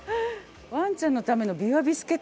ワンちゃんのためのびわビスケットだって。